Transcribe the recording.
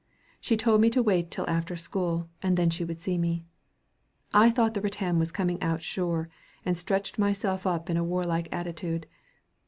She told me to wait till after school, and then she would see me. I thought the rattan was coming out sure, and stretched myself up in warlike attitude.